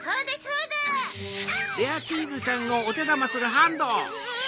うわ！